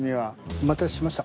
お待たせしました。